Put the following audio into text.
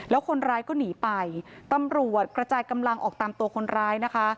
แล้วคนร้ายก็หนีไปตำรวจกระจายกำลังออกตามตัวคนร้ายนะคะ